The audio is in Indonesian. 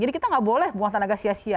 jadi kita nggak boleh buang sauraga sia sia